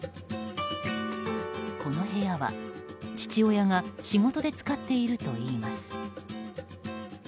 この部屋は、父親が仕事で使っているといいます。